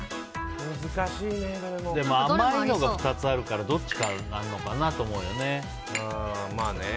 甘いのが２つあるからどっちかなのかなと思うよね。